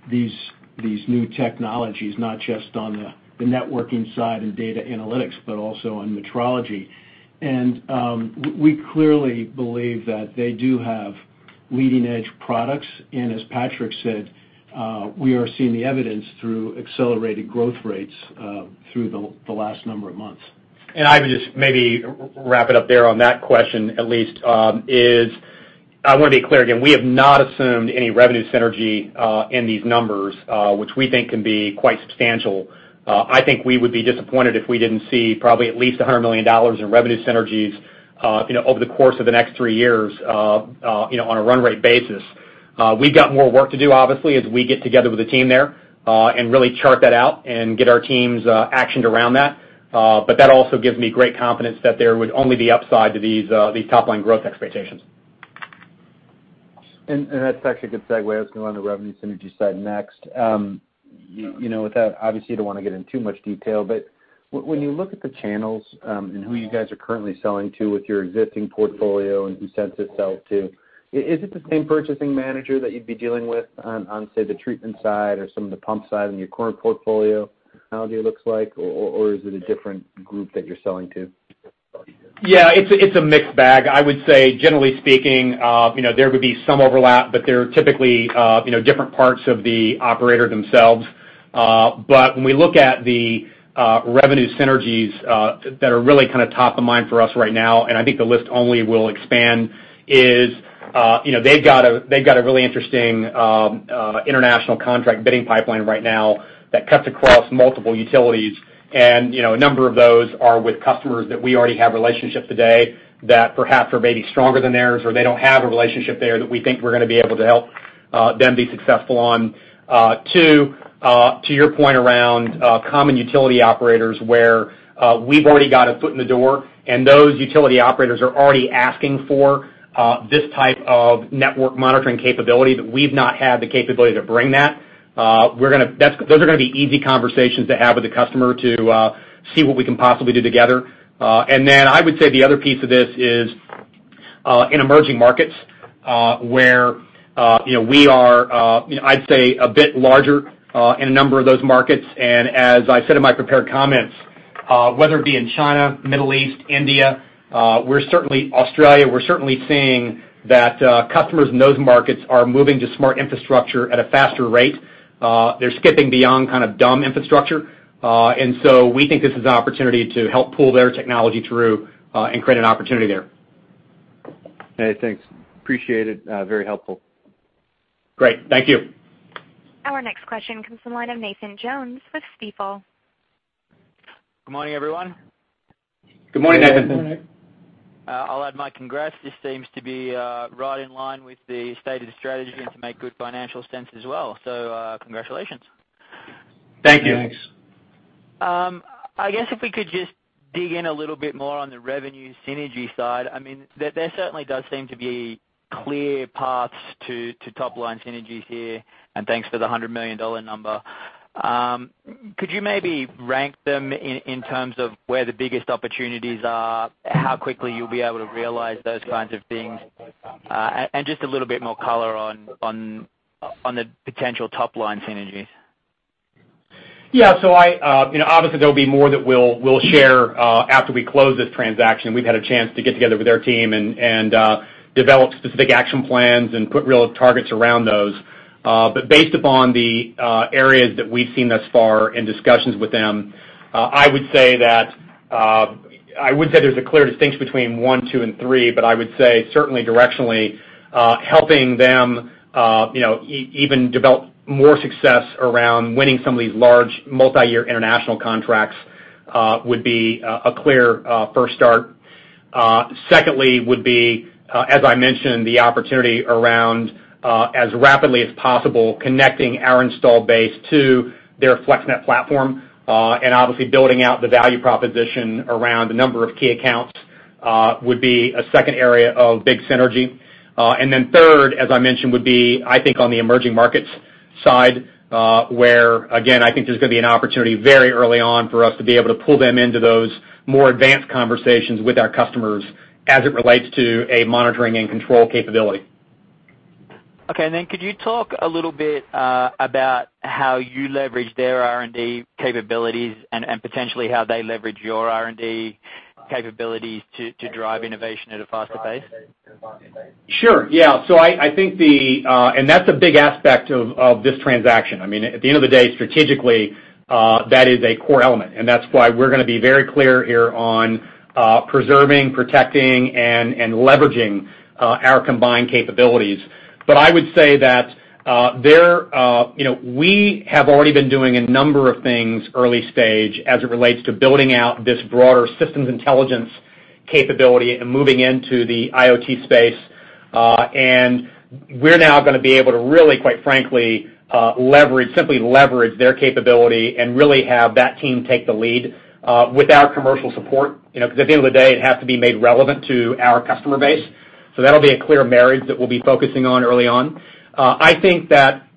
these new technologies, not just on the networking side and data analytics, but also on metrology. We clearly believe that they do have leading-edge products, and as Patrick said, we are seeing the evidence through accelerated growth rates through the last number of months. I would just maybe wrap it up there on that question at least, is I want to be clear again, we have not assumed any revenue synergy in these numbers, which we think can be quite substantial. I think we would be disappointed if we didn't see probably at least $100 million in revenue synergies over the course of the next three years, on a run rate basis. We've got more work to do, obviously, as we get together with the team there and really chart that out and get our teams actioned around that. That also gives me great confidence that there would only be upside to these top-line growth expectations. That's actually a good segue. I was going to go on the revenue synergy side next. With that, obviously, I don't want to get in too much detail, but when you look at the channels and who you guys are currently selling to with your existing portfolio and who Sensus sells to, is it the same purchasing manager that you'd be dealing with on, say, the treatment side or some of the pump side in your current portfolio, how it looks like? Or is it a different group that you're selling to? Yeah, it's a mixed bag. I would say, generally speaking there would be some overlap, but they're typically different parts of the operator themselves. When we look at the revenue synergies that are really top of mind for us right now, and I think the list only will expand, is they've got a really interesting international contract bidding pipeline right now that cuts across multiple utilities. A number of those are with customers that we already have relationships today that perhaps are maybe stronger than theirs, or they don't have a relationship there that we think we're going to be able to help them be successful on. 2. To your point around common utility operators where we've already got a foot in the door, and those utility operators are already asking for this type of network monitoring capability, but we've not had the capability to bring that. Those are going to be easy conversations to have with the customer to see what we can possibly do together. I would say the other piece of this is in emerging markets, where we are, I'd say, a bit larger in a number of those markets. As I said in my prepared comments, whether it be in China, Middle East, India, Australia, we're certainly seeing that customers in those markets are moving to smart infrastructure at a faster rate. They're skipping beyond dumb infrastructure. We think this is an opportunity to help pull their technology through and create an opportunity there. Okay, thanks. Appreciate it. Very helpful. Great. Thank you. Our next question comes from the line of Nathan Jones with Stifel. Good morning, everyone. Good morning, Nathan. Good morning. I'll add my congrats. This seems to be right in line with the stated strategy and to make good financial sense as well. Congratulations. Thank you. Thanks. I guess if we could just dig in a little bit more on the revenue synergy side. There certainly does seem to be clear paths to top-line synergies here. Thanks for the $100 million number. Could you maybe rank them in terms of where the biggest opportunities are, how quickly you'll be able to realize those kinds of things? Just a little bit more color on the potential top-line synergies. Yeah. Obviously, there'll be more that we'll share after we close this transaction and we've had a chance to get together with their team and develop specific action plans and put real targets around those. Based upon the areas that we've seen thus far in discussions with them, I wouldn't say there's a clear distinction between one, two, and three, but I would say certainly directionally, helping them even develop more success around winning some of these large multi-year international contracts would be a clear first start. Secondly would be, as I mentioned, the opportunity around, as rapidly as possible, connecting our install base to their FlexNet platform. Obviously building out the value proposition around a number of key accounts would be a second area of big synergy. Third, as I mentioned, would be, I think on the emerging markets side, where again, I think there's going to be an opportunity very early on for us to be able to pull them into those more advanced conversations with our customers as it relates to a monitoring and control capability. Okay. Then could you talk a little bit about how you leverage their R&D capabilities and potentially how they leverage your R&D capabilities to drive innovation at a faster pace? Sure. Yeah. That's a big aspect of this transaction. At the end of the day, strategically, that is a core element, That's why we're going to be very clear here on preserving, protecting, and leveraging our combined capabilities. I would say that we have already been doing a number of things early stage as it relates to building out this broader systems intelligence capability and moving into the IoT space. We're now going to be able to really, quite frankly, simply leverage their capability and really have that team take the lead with our commercial support. Because at the end of the day, it has to be made relevant to our customer base. That'll be a clear marriage that we'll be focusing on early on. I think that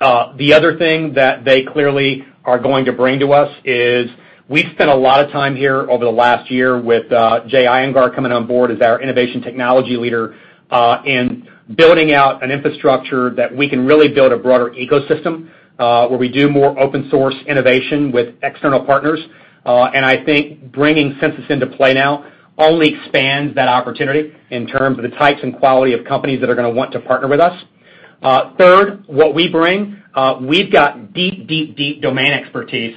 the other thing that they clearly are going to bring to us is we've spent a lot of time here over the last year with Jay Iyengar coming on board as our innovation technology leader in building out an infrastructure that we can really build a broader ecosystem, where we do more open source innovation with external partners. I think bringing Sensus into play now only expands that opportunity in terms of the types and quality of companies that are going to want to partner with us. Third, what we bring, we've got deep domain expertise,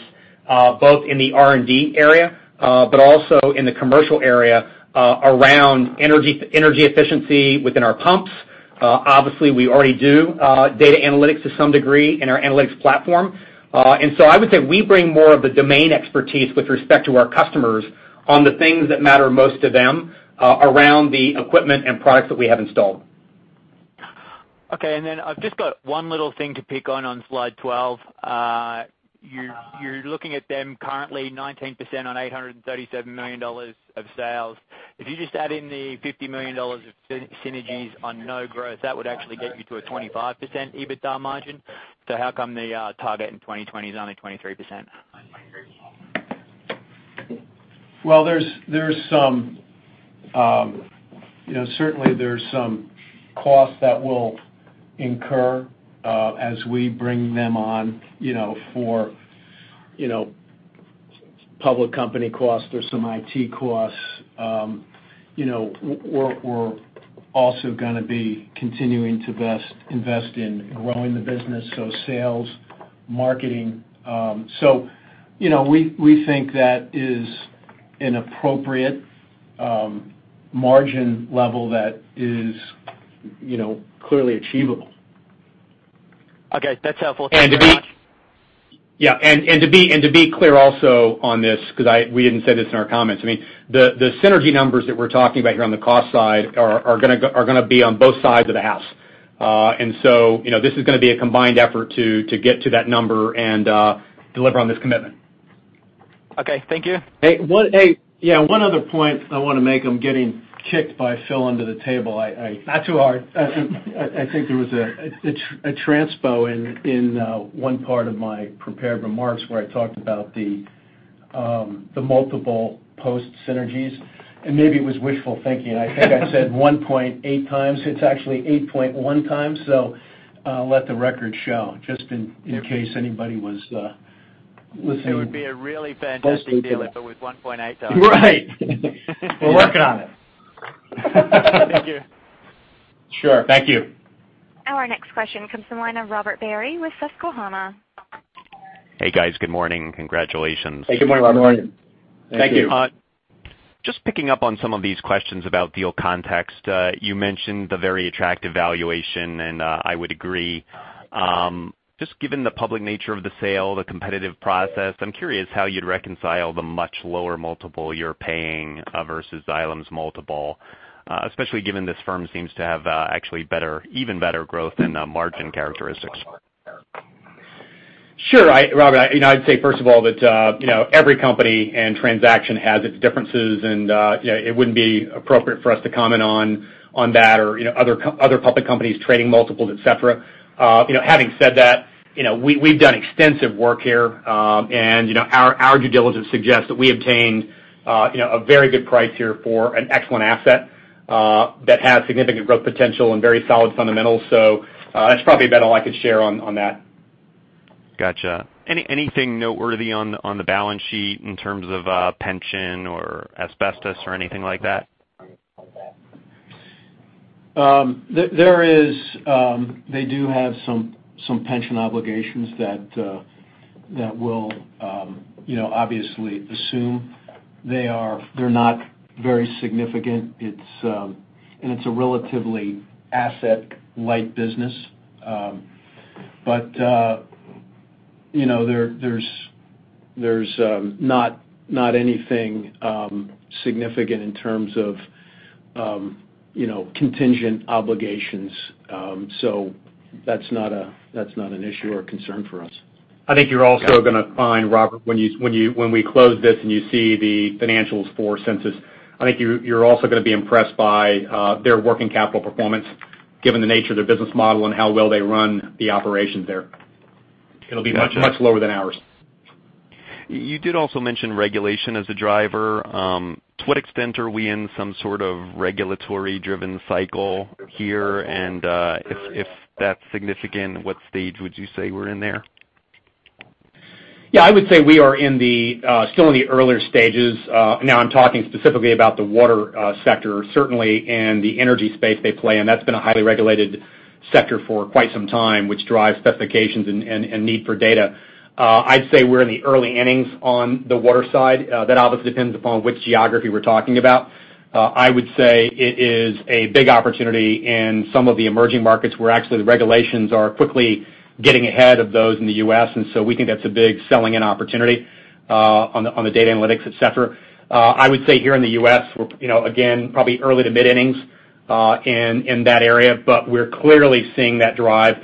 both in the R&D area, but also in the commercial area around energy efficiency within our pumps. Obviously, we already do data analytics to some degree in our analytics platform. I would say we bring more of the domain expertise with respect to our customers on the things that matter most to them around the equipment and products that we have installed. Okay. Then I've just got one little thing to pick on slide 12. You're looking at them currently 19% on $837 million of sales. If you just add in the $50 million of synergies on no growth, that would actually get you to a 25% EBITDA margin. How come the target in 2020 is only 23%? Well, certainly there's some costs that we'll incur as we bring them on for public company costs. There's some IT costs. We're also going to be continuing to invest in growing the business, so sales, marketing. We think that is an appropriate margin level that is clearly achievable. Okay. That's helpful. Thank you very much. Yeah. To be clear also on this, because we didn't say this in our comments. The synergy numbers that we're talking about here on the cost side are going to be on both sides of the house. So, this is going to be a combined effort to get to that number and deliver on this commitment. Okay. Thank you. Hey. Yeah, one other point I want to make. I'm getting kicked by Phil under the table. Not too hard. I think there was a transpo in one part of my prepared remarks where I talked about the multiple post synergies, and maybe it was wishful thinking. I think I said 1.8 times. It's actually 8.1 times. Let the record show, just in case anybody was listening closely. It would be a really fantastic deal if it was 1.8, though. Right. We're working on it. Thank you. Sure. Thank you. Our next question comes from the line of Robert Barry with Susquehanna. Hey, guys. Good morning. Congratulations. Hey, good morning, Robert. Good morning. Thank you. Just picking up on some of these questions about deal context. You mentioned the very attractive valuation, and I would agree. Just given the public nature of the sale, the competitive process, I'm curious how you'd reconcile the much lower multiple you're paying versus Xylem's multiple, especially given this firm seems to have actually even better growth and margin characteristics. Sure. Robert, I'd say, first of all, that every company and transaction has its differences, and it wouldn't be appropriate for us to comment on that or other public companies' trading multiples, et cetera. Having said that, we've done extensive work here. Our due diligence suggests that we obtained a very good price here for an excellent asset that has significant growth potential and very solid fundamentals. That's probably about all I could share on that. Got you. Anything noteworthy on the balance sheet in terms of pension or asbestos or anything like that? They do have some pension obligations that we'll obviously assume. They're not very significant. It's a relatively asset-light business. There's not anything significant in terms of contingent obligations. That's not an issue or a concern for us. I think you're also going to find, Robert, when we close this and you see the financials for Sensus, I think you're also going to be impressed by their working capital performance, given the nature of their business model and how well they run the operations there. It'll be much lower than ours. You did also mention regulation as a driver. To what extent are we in some sort of regulatory-driven cycle here? If that's significant, what stage would you say we're in there? Yeah, I would say we are still in the earlier stages. Now, I'm talking specifically about the water sector, certainly in the energy space they play in. That's been a highly regulated sector for quite some time, which drives specifications and need for data. I'd say we're in the early innings on the water side. That obviously depends upon which geography we're talking about. I would say it is a big opportunity in some of the emerging markets where actually the regulations are quickly getting ahead of those in the U.S. We think that's a big selling and opportunity on the data analytics, et cetera. I would say here in the U.S., again, probably early to mid-innings in that area. We're clearly seeing that drive.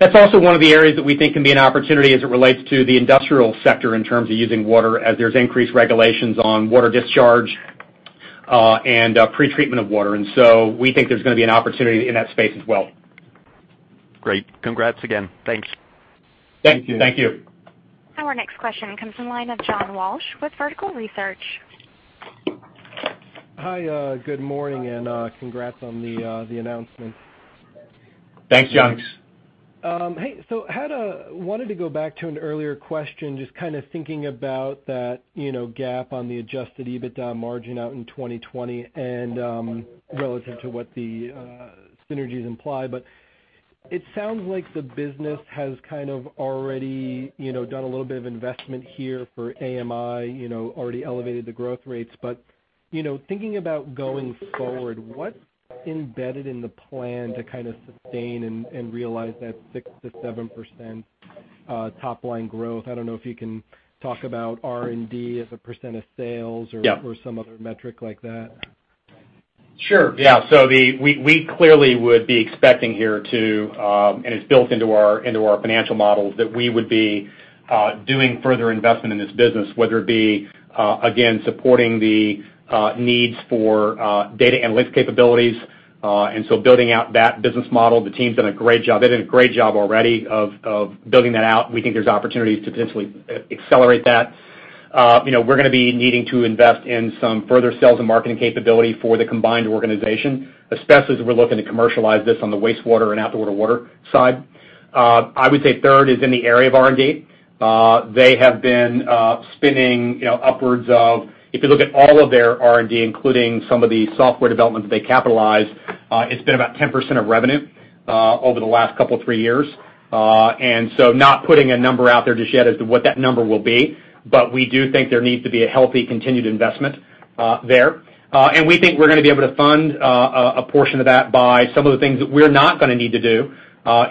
That's also one of the areas that we think can be an opportunity as it relates to the industrial sector in terms of using water as there's increased regulations on water discharge and pre-treatment of water. We think there's going to be an opportunity in that space as well. Great. Congrats again. Thanks. Thank you. Thank you. Our next question comes from the line of John Walsh with Vertical Research. Hi. Good morning, and congrats on the announcement. Thanks, John. Thanks. I wanted to go back to an earlier question, just kind of thinking about that gap on the adjusted EBITDA margin out in 2020 and relative to what the synergies imply. It sounds like the business has kind of already done a little bit of investment here for AMI, already elevated the growth rates. Thinking about going forward, what's embedded in the plan to kind of sustain and realize that 6%-7% top-line growth. I don't know if you can talk about R&D as a % of sales or- Yep or some other metric like that. Sure. Yeah. We clearly would be expecting here to, and it's built into our financial models, that we would be doing further investment in this business, whether it be, again, supporting the needs for data analytics capabilities, building out that business model. The team's done a great job. They did a great job already of building that out, and we think there's opportunities to potentially accelerate that. We're going to be needing to invest in some further sales and marketing capability for the combined organization, especially as we're looking to commercialize this on the wastewater and outdoor water side. I would say third is in the area of R&D. They have been spending upwards of, if you look at all of their R&D, including some of the software development that they capitalize, it's been about 10% of revenue over the last couple, three years. Not putting a number out there just yet as to what that number will be, we do think there needs to be a healthy continued investment there. We think we're going to be able to fund a portion of that by some of the things that we're not going to need to do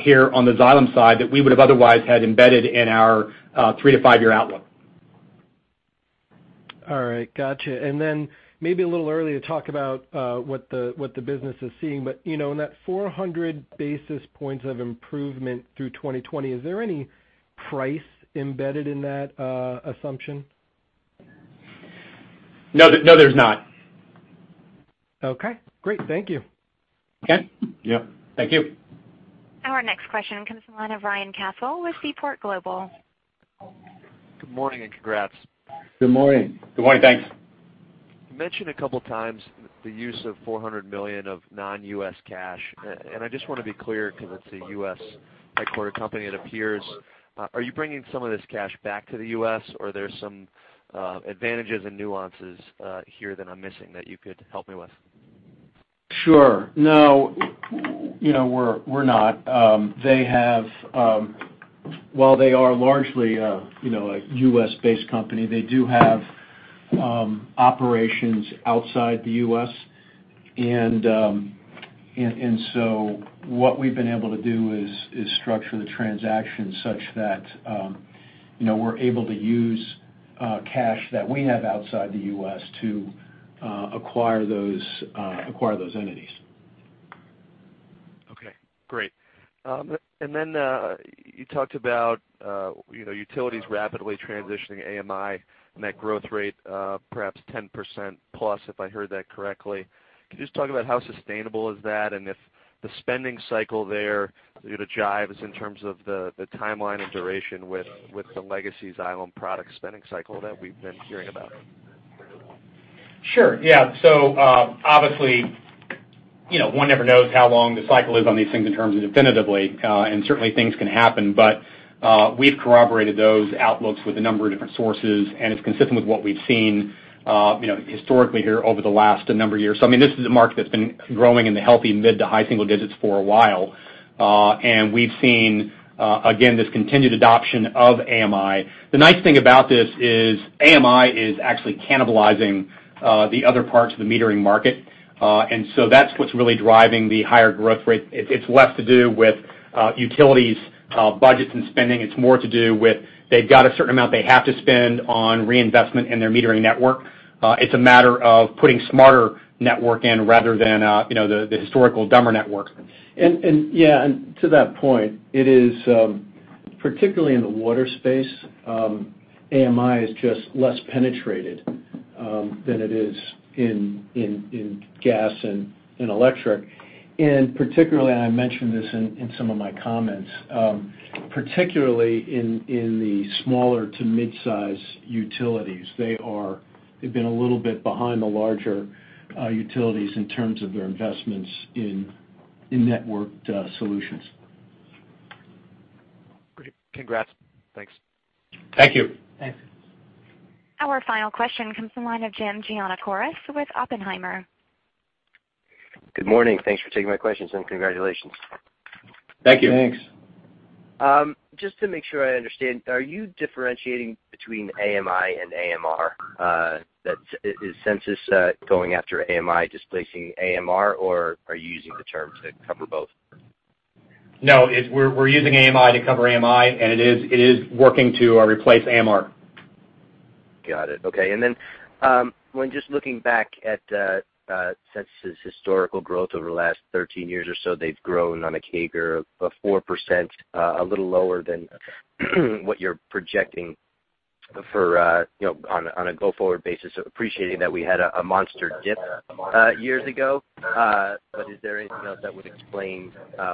here on the Xylem side that we would've otherwise had embedded in our three-to-five year outlook. All right. Gotcha. Maybe a little early to talk about what the business is seeing, but in that 400 basis points of improvement through 2020, is there any price embedded in that assumption? No, there's not. Okay, great. Thank you. Okay. Yep. Thank you. Our next question comes from the line of Ryan Castle with Seaport Global. Good morning, congrats. Good morning. Good morning. Thanks. You mentioned a couple of times the use of $400 million of non-U.S. cash. I just want to be clear because it's a U.S.-headquartered company, it appears. Are you bringing some of this cash back to the U.S. or there's some advantages and nuances here that I'm missing that you could help me with? Sure. No, we're not. While they are largely a U.S.-based company, they do have operations outside the U.S. What we've been able to do is structure the transaction such that we're able to use cash that we have outside the U.S. to acquire those entities. Okay, great. You talked about utilities rapidly transitioning AMI and that growth rate, perhaps 10%+, if I heard that correctly. Can you just talk about how sustainable is that and if the spending cycle there jives in terms of the timeline and duration with the legacy Xylem product spending cycle that we've been hearing about? Sure, yeah. Obviously, one never knows how long the cycle is on these things in terms of definitively, and certainly things can happen. We've corroborated those outlooks with a number of different sources, and it's consistent with what we've seen historically here over the last number of years. I mean, this is a market that's been growing in the healthy mid to high single digits for a while. We've seen, again, this continued adoption of AMI. The nice thing about this is AMI is actually cannibalizing the other parts of the metering market. That's what's really driving the higher growth rate. It's less to do with utilities' budgets and spending. It's more to do with they've got a certain amount they have to spend on reinvestment in their metering network. It's a matter of putting smarter network in rather than the historical dumber networks. Yeah, to that point, it is, particularly in the water space, AMI is just less penetrated than it is in gas and in electric. Particularly, I mentioned this in some of my comments, particularly in the smaller to mid-size utilities, they've been a little bit behind the larger utilities in terms of their investments in networked solutions. Great. Congrats. Thanks. Thank you. Thanks. Our final question comes from the line of Jim Giannakouros with Oppenheimer. Good morning. Thanks for taking my questions, and congratulations. Thank you. Thanks. Just to make sure I understand, are you differentiating between AMI and AMR? Is Sensus going after AMI displacing AMR, or are you using the terms to cover both? No, we're using AMI to cover AMI, and it is working to replace AMR. Got it. Okay. When just looking back at Sensus' historical growth over the last 13 years or so, they've grown on a CAGR of 4%, a little lower than what you're projecting on a go-forward basis, appreciating that we had a monster dip years ago. Is there anything else that would explain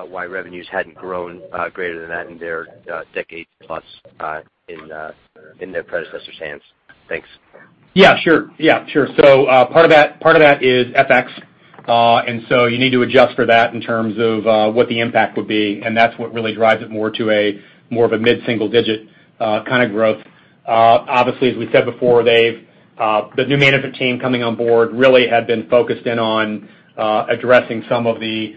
why revenues hadn't grown greater than that in their decade plus in their predecessor's hands? Thanks. Yeah, sure. Part of that is FX. You need to adjust for that in terms of what the impact would be, and that's what really drives it more to a mid-single digit kind of growth. Obviously, as we said before, the new management team coming on board really had been focused in on addressing some of the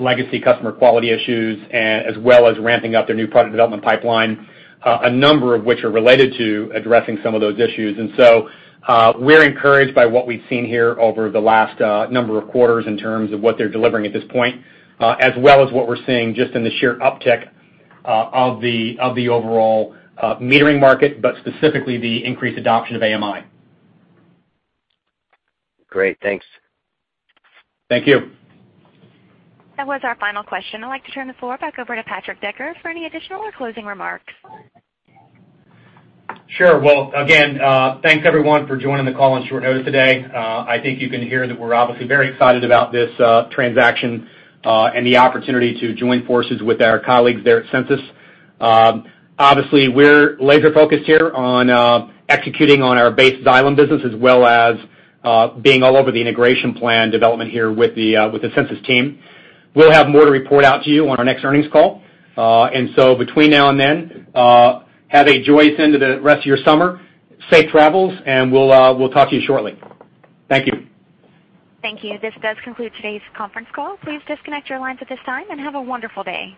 legacy customer quality issues, as well as ramping up their new product development pipeline, a number of which are related to addressing some of those issues. We're encouraged by what we've seen here over the last number of quarters in terms of what they're delivering at this point, as well as what we're seeing just in the sheer uptick of the overall metering market, but specifically the increased adoption of AMI. Great, thanks. Thank you. That was our final question. I'd like to turn the floor back over to Patrick Decker for any additional or closing remarks. Well, again, thanks everyone for joining the call on short notice today. I think you can hear that we're obviously very excited about this transaction, and the opportunity to join forces with our colleagues there at Sensus. Obviously, we're laser-focused here on executing on our base Xylem business, as well as being all over the integration plan development here with the Sensus team. We'll have more to report out to you on our next earnings call. Between now and then, have a joyous end to the rest of your summer. Safe travels, and we'll talk to you shortly. Thank you. Thank you. This does conclude today's conference call. Please disconnect your lines at this time and have a wonderful day.